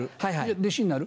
弟子になる？